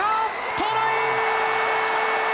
トライ！